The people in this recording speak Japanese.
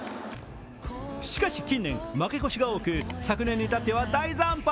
しかし近年、負け越しが多く昨年に至っては大惨敗。